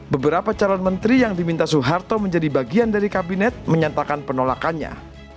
beberapa calon menteri yang diminta soeharto menjadi bagian dari kabinet menyatakan penolakannya